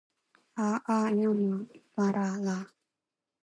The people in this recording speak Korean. "아! 아! 이놈아! 놔라, 놔."